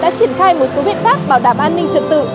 đã triển khai một số biện pháp bảo đảm an ninh trật tự